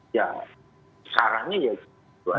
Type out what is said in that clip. ya sekarangnya ya gitu